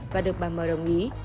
và được bà m đồng ý